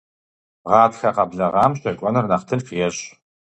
Гъатхэ къэблагъэм щэкӀуэныр нэхъ тынш ещӀ.